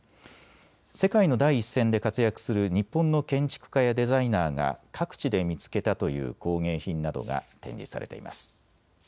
世界の第一線で活躍する日本の建築家やデザイナーが各地で見つけたという工芸品などが展示されています。